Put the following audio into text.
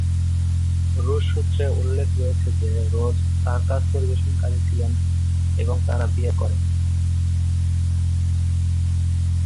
রুশ সূত্রে উল্লেখ রয়েছে যে রোজ সার্কাস পরিবেশনকারী ছিলেন এবং তারা বিয়ে করেন নি।